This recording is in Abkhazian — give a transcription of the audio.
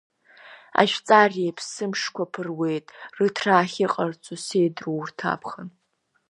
Ажәҵар реиԥш сымшқәа ԥыруеит, рыҭра ахьыҟарҵо сеидру урҭ аԥхын?